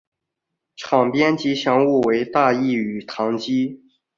场边吉祥物为大义与唐基。